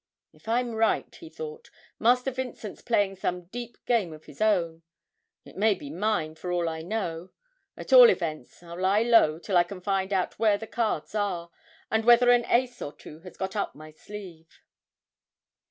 'If I'm right,' he thought, 'Master Vincent's playing some deep game of his own it may be mine for all I know; at all events I'll lie low till I can find out where the cards are, and whether an ace or two has got up my sleeve.'